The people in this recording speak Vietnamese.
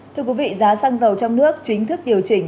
thưa quý vị giá xăng dầu trong nước chính thức điều chỉnh